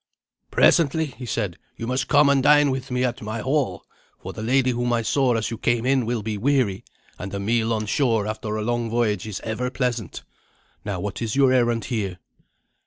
"Presently," he said, "you must come and dine with me at my hall; for the lady whom I saw as you came in will be weary, and a meal on shore after a long voyage is ever pleasant. Now what is your errand here?"